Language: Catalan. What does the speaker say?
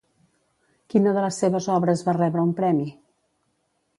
Quina de les seves obres va rebre un premi?